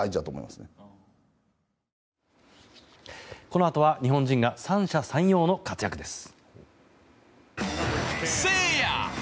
このあとは日本人が三者三様の活躍です。